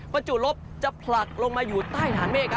บรรจุลบจะผลักลงมาอยู่ใต้ฐานเมฆ